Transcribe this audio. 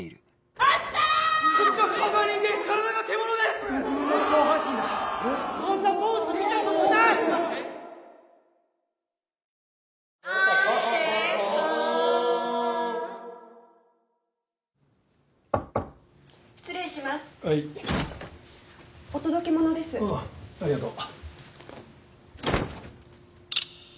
ああありがとう。